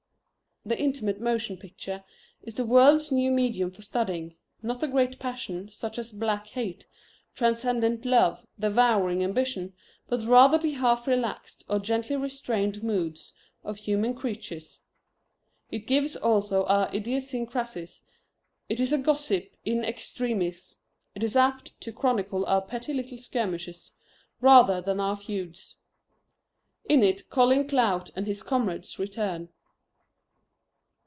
The Intimate Motion Picture is the world's new medium for studying, not the great passions, such as black hate, transcendent love, devouring ambition, but rather the half relaxed or gently restrained moods of human creatures. It gives also our idiosyncrasies. It is gossip in extremis. It is apt to chronicle our petty little skirmishes, rather than our feuds. In it Colin Clout and his comrades return.